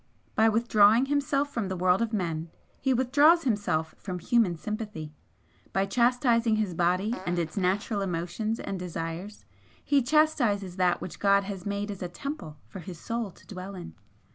By withdrawing himself from the world of men he withdraws himself from human sympathy. By chastising the body and its natural emotions and desires, he chastises that which God has made as a temple for his soul to dwell in.